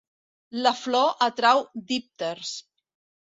La flor atrau dípters.